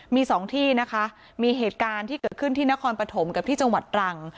มีสองที่นะคะมีเหตุการณ์ที่เกิดขึ้นที่นครปฐมกับที่จังหวัดตรัง